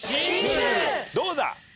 どうだ？